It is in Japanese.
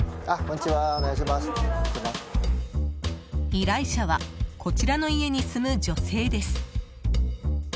依頼者はこちらの家に住む女性です。